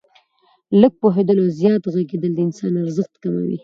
لږ پوهېدل او زیات ږغېدل د انسان ارزښت کموي.